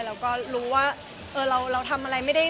เราก็รู้ว่าเราทำอะไรไม่ได้